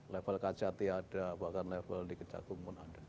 level kacati ada bahkan level di kecakung pun ada